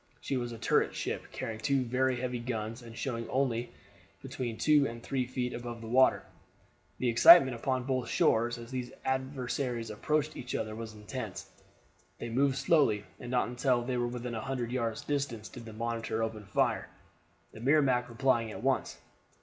She was a turret ship, carrying two very heavy guns, and showing only between two and three feet above the water. The excitement upon both shores as these adversaries approached each other was intense. They moved slowly, and not until they were within a hundred yards distance did the Monitor open fire, the Merrimac replying at once.